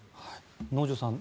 能條さん